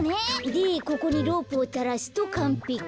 でここにロープをたらすとかんぺき。